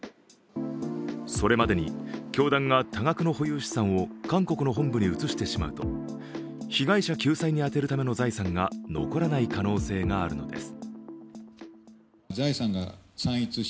それまでに教団が多額の保有資産を韓国の本部に移してしまうと、被害者救済に充てるための財産が残らない可能性があるのです。